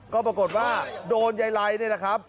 ก็ปรากฏว่าโดนยายไรนี่แหละครับ